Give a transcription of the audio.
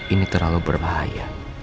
ini terlalu berbahaya